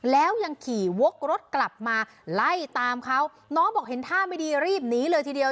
แล้วยังขี่วกรถกลับมาไล่ตามเขาน้องบอกเห็นท่าไม่ดีรีบหนีเลยทีเดียว